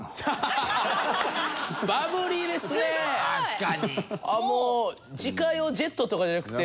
確かに。